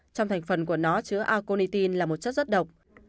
trong thành phần của nó chứa aconitin là một chất rất độc